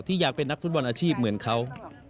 อยากเป็นนักฟุตบอลอาชีพเหมือนเขา